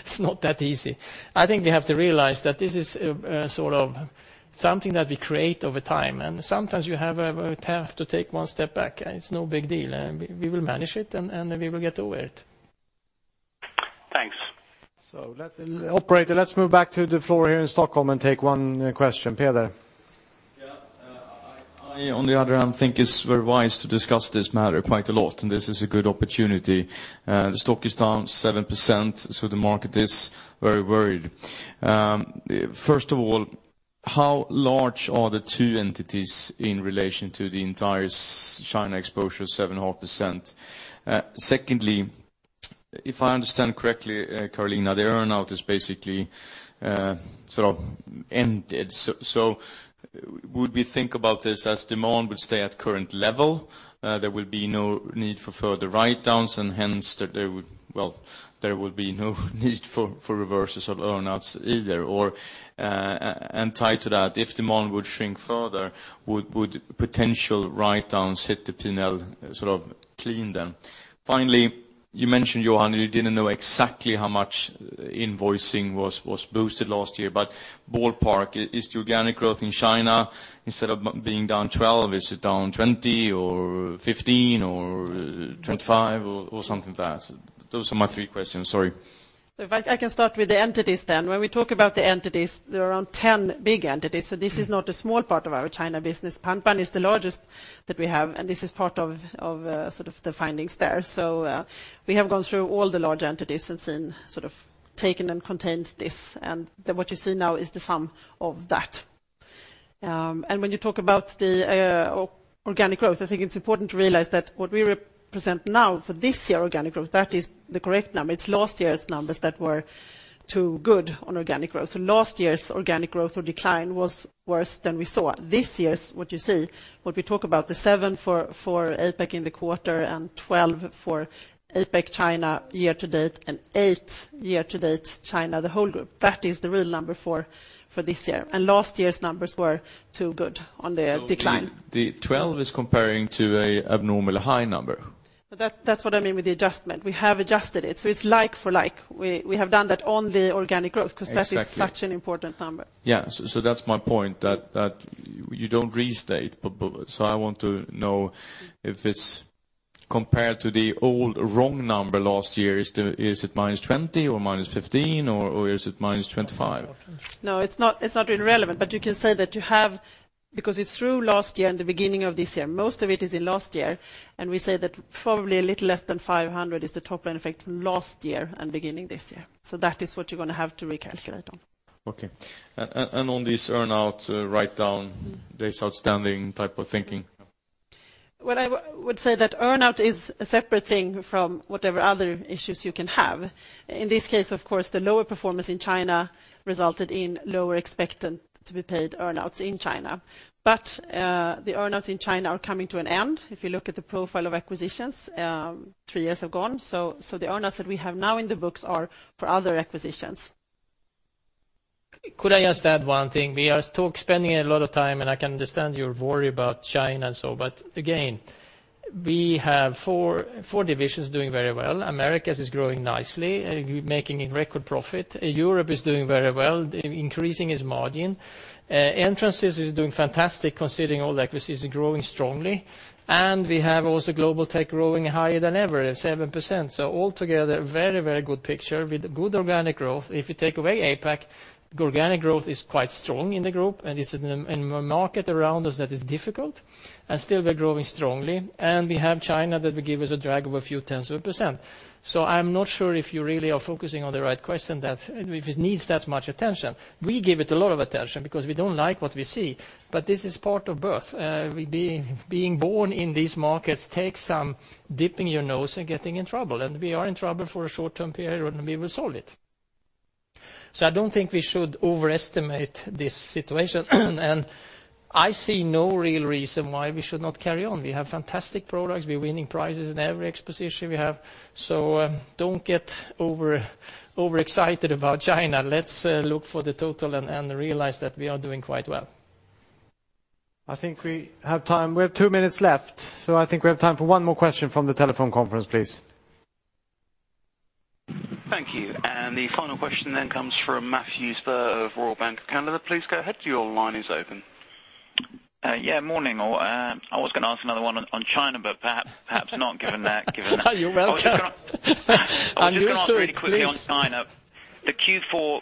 It's not that easy. I think we have to realize that this is something that we create over time, and sometimes you have to take one step back, and it's no big deal. We will manage it, and we will get over it. Thanks. operator, let's move back to the floor here in Stockholm and take one question. Peder. I, on the other hand, think it's very wise to discuss this matter quite a lot, and this is a good opportunity. The stock is down 7%, the market is very worried. First of all, how large are the two entities in relation to the entire China exposure, 7.5%? Secondly, if I understand correctly, Carolina, the earn-out is basically ended. Would we think about this as demand would stay at current level? There will be no need for further write-downs, and hence there would be no need for reverses of earn-outs either? Tied to that, if demand would shrink further, would potential write-downs hit the P&L clean then? Finally, you mentioned, Johan, you didn't know exactly how much invoicing was boosted last year, but ballpark, is the organic growth in China, instead of being down 12, is it down 20 or 15 or 25 or something like that? Those are my three questions. Sorry. If I can start with the entities. When we talk about the entities, there are around 10 big entities. This is not a small part of our China business. Pan Pan is the largest that we have, and this is part of the findings there. We have gone through all the large entities and then taken and contained this, and then what you see now is the sum of that. When you talk about the organic growth, I think it's important to realize that what we represent now for this year organic growth, that is the correct number. It's last year's numbers that were too good on organic growth. Last year's organic growth or decline was worse than we saw. This year's, what you see, what we talk about, the 7% for APAC in the quarter, and 12% for APAC China year-to-date, and 8% year-to-date China, the whole group. That is the real number for this year. Last year's numbers were too good on the decline. The 12% is comparing to an abnormal high number? That's what I mean with the adjustment. We have adjusted it, so it's like-for-like. We have done that on the organic growth. Exactly That is such an important number. Yeah. That's my point, that you don't restate. I want to know if it's compared to the old wrong number last year, is it -20 or -15 or is it -25? No, it's not relevant. You can say that you have, because it's through last year and the beginning of this year, most of it is in last year, and we say that probably a little less than 500 is the top line effect last year and beginning this year. That is what you're going to have to recalculate on. Okay. On this earn out, write down, days outstanding type of thinking? What I would say that earn out is a separate thing from whatever other issues you can have. In this case, of course, the lower performance in China resulted in lower expectant to be paid earn outs in China. The earn outs in China are coming to an end. If you look at the profile of acquisitions, three years have gone. The earn outs that we have now in the books are for other acquisitions. Could I just add one thing? We are spending a lot of time, I can understand your worry about China. But again, we have four divisions doing very well. Americas is growing nicely, making a record profit. Europe is doing very well, increasing its margin. Entrance Systems is doing fantastic considering all the acquisitions, growing strongly. We have also Global Technologies growing higher than ever at 7%. Altogether a very, very good picture with good organic growth. If you take away APAC, organic growth is quite strong in the group and in the market around us that is difficult, and still we are growing strongly. We have China that will give us a drag of a few tens of a percent. I am not sure if you really are focusing on the right question, that if it needs that much attention. We give it a lot of attention because we do not like what we see, but this is part of birth. Being born in these markets takes some dipping your nose and getting in trouble, and we are in trouble for a short-term period, and we will solve it. I do not think we should overestimate this situation. I see no real reason why we should not carry on. We have fantastic products. We are winning prizes in every exposition we have. Do not get overexcited about China. Let us look for the total and realize that we are doing quite well. I think we have time. We have two minutes left, I think we have time for one more question from the telephone conference, please. Thank you. The final question comes from Matthew Sturg of Royal Bank of Canada. Please go ahead, your line is open. Yeah, morning all. I was going to ask another one on China, but perhaps not given that. You're welcome. I'll answer it please. I'll just ask really quickly on China. The Q4,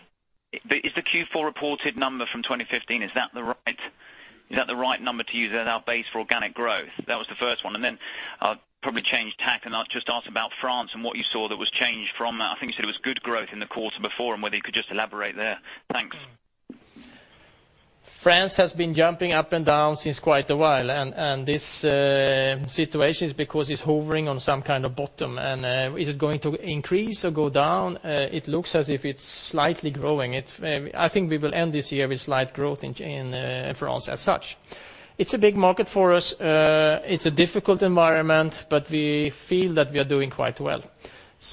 is the Q4 reported number from 2015, is that the right number to use as our base for organic growth? That was the first one. Then I'll probably change tack and I'll just ask about France and what you saw that was changed from that. I think you said it was good growth in the quarter before, and whether you could just elaborate there. Thanks. France has been jumping up and down since quite a while. This situation is because it's hovering on some kind of bottom. Is it going to increase or go down? It looks as if it's slightly growing. I think we will end this year with slight growth in France as such. It's a big market for us. It's a difficult environment, we feel that we are doing quite well.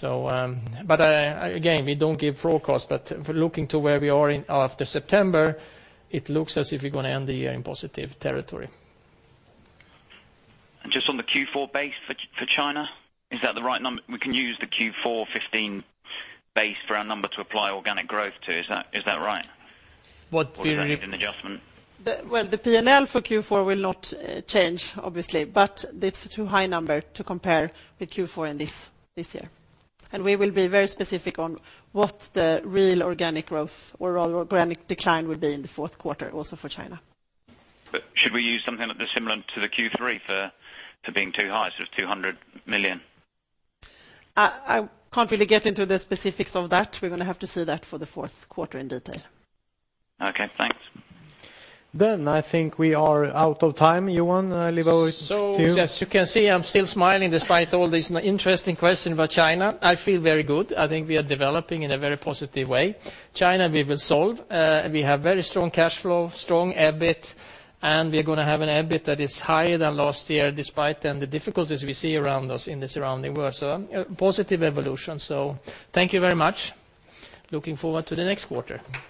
Again, we don't give forecasts, looking to where we are after September, it looks as if we're going to end the year in positive territory. Just on the Q4 base for China, is that the right number? We can use the Q4 2015 base for our number to apply organic growth to, is that right? What do you- Is that an adjustment? Well, the P&L for Q4 will not change, obviously, but it's too high number to compare with Q4 and this year. We will be very specific on what the real organic growth or organic decline will be in the fourth quarter also for China. Should we use something that was similar to the Q3 for being too high, so it is 200 million? I cannot really get into the specifics of that. We are going to have to see that for the fourth quarter in detail. Okay, thanks. I think we are out of time. Johan, I leave over to you. As you can see, I'm still smiling despite all these interesting questions about China. I feel very good. I think we are developing in a very positive way. China, we will solve. We have very strong cash flow, strong EBIT, and we are going to have an EBIT that is higher than last year, despite then the difficulties we see around us in the surrounding world. A positive evolution. Thank you very much. Looking forward to the next quarter.